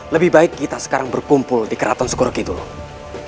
lebih baik kita sekarang berkumpul di keraton skorokidulo